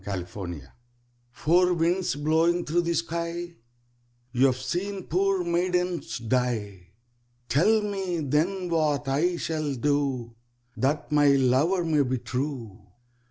Four Winds "Four winds blowing thro' the sky, You have seen poor maidens die, Tell me then what I shall do That my lover may be true."